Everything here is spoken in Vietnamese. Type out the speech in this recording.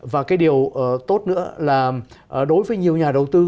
và cái điều tốt nữa là đối với nhiều nhà đầu tư